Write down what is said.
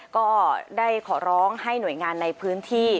ก็ได้ขอร้องให้หน่วยงานในพื้นที่